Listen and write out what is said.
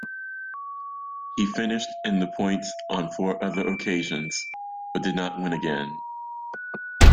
He finished in the points on four other occasions, but did not win again.